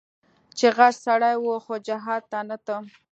چې غټ سړى و خو جهاد ته نه ته.